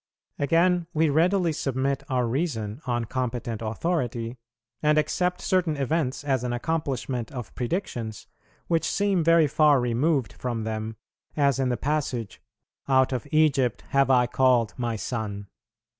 Again, we readily submit our reason on competent authority, and accept certain events as an accomplishment of predictions, which seem very far removed from them; as in the passage, "Out of Egypt have I called My Son."